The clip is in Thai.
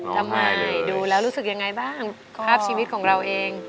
ทำไมดูแล้วรู้สึกยังไงบ้างภาพชีวิตของเราเอง